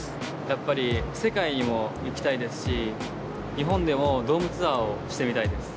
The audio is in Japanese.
やっぱり世界にも行きたいですし日本でもドームツアーをしてみたいです。